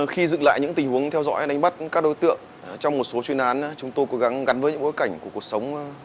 khi dựng lại những tình huống theo dõi đánh bắt các đối tượng trong một số chuyên án chúng tôi cố gắng gắn với những bối cảnh của cuộc sống